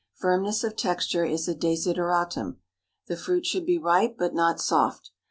Firmness of texture is a desideratum. The fruit should be ripe, but not soft.